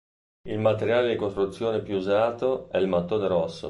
Il materiale di costruzione più usato è il mattone rosso.